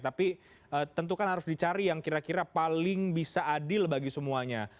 tapi tentu kan harus dicari yang kira kira paling bisa adil bagi semuanya